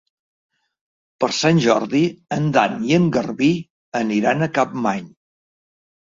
Per Sant Jordi en Dan i en Garbí aniran a Capmany.